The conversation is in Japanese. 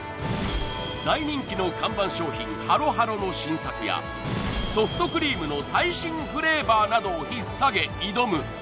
大人気の看板商品ハロハロの新作やソフトクリームの最新フレーバーなどをひっさげ挑む！